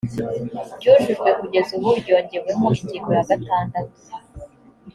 ryujujwe kugeza ubu ryongewemo ingingo ya gatandatu